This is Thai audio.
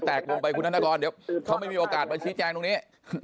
เดี๋ยวเขาไม่มีโอกาสมาชี้จ้างตรงนี้